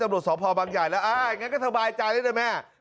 ไม่